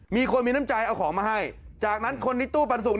มีคนมีน้ำใจเอาของมาให้จากนั้นคนในตู้ปันสุก